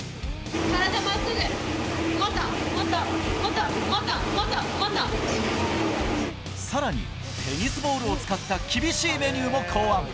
体まっすぐ、もっと、もっと、さらに、テニスボールを使った厳しいメニューも考案。